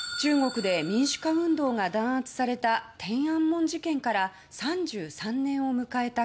中国で民主化運動が弾圧された天安門事件から３３年を迎えた